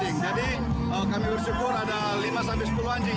jadi kami bersyukur ada lima sampai sepuluh anjing